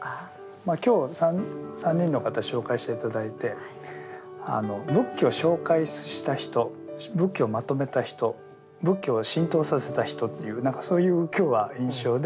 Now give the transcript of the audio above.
まあ今日３人の方紹介して頂いて仏教を紹介した人仏教をまとめた人仏教を浸透させた人という何かそういう今日は印象で。